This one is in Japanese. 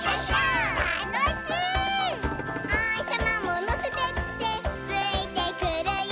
「おひさまものせてってついてくるよ」